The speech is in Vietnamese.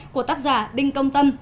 của tác giả đinh công tâm